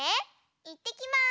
いってきます！